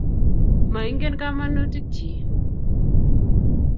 Moingen kamanutik chi.